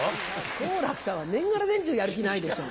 好楽さんは年がら年中やる気ないでしょ。